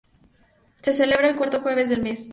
Se celebra el cuarto jueves del mes.